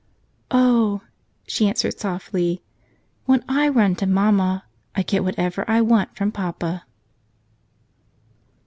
"Oh," she answered softly, "when I run to mamma I get whatever I want from papa."